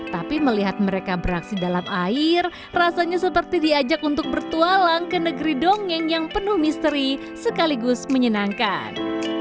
tapi melihat mereka beraksi dalam air rasanya seperti diajak untuk bertualang ke negeri dongeng yang penuh misteri sekaligus menyenangkan